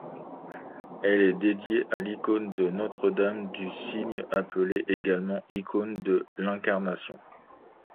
Elle est dédiée à l'icône de Notre-Dame du Signe appelée également icône de l'Incarnation.